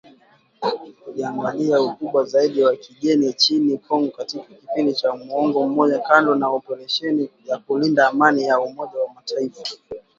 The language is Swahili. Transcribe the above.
Uingiliaji mkubwa zaidi wa kigeni nchini Kongo katika kipindi cha muongo mmoja kando na operesheni ya kulinda Amani ya Umoja wa mataifa